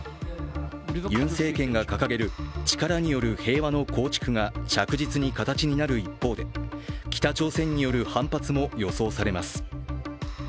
ユン政権が掲げる力による平和の構築が着実に形になる一方で、北朝鮮による反発も予想されます。